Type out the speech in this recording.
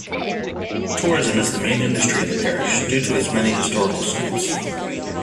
Tourism is the main industry in the parish, due to its many historical sites.